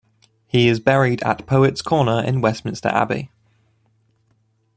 He is buried at Poets' Corner in Westminster Abbey.